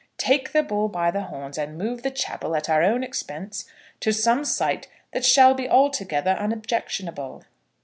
"Take the bull by the horns, and move the chapel at our own expense to some site that shall be altogether unobjectionable."